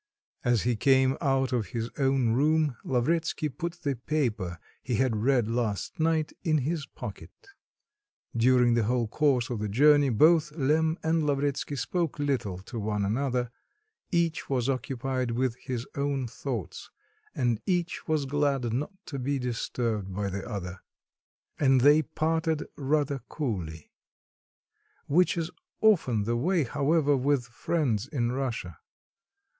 As he came out of his own room, Lavretsky put the paper he had read last night in his pocket. During the whole course of the journey both Lemm and Lavretsky spoke little to one another; each was occupied with his own thoughts, and each was glad not to be disturbed by the other; and they parted rather coolly; which is often the way, however, with friends in Russia.